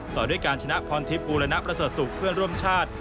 ต่อด้วยการชนะพอนทิพย์อุรณนักประสาทศุกร์เพื่อนร่วมชาติ